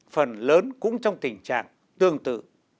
phần lớn cũng trong tình trạng tương tự